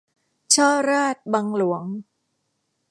ฉ้อราษฎร์บังหลวง